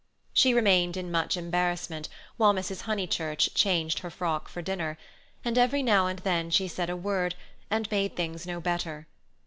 She remained in much embarrassment, while Mrs. Honeychurch changed her frock for dinner; and every now and then she said a word, and made things no better.